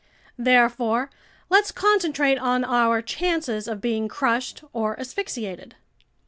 Therefore, let's concentrate on our chances of being crushed or asphyxiated."